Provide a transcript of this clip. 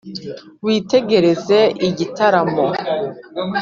Witegereze igitaramo.